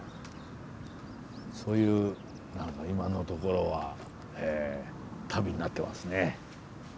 そういう今のところはえ旅になってますね。